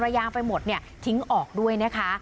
ยางไปหมดเนี่ยทิ้งออกด้วยนะคะ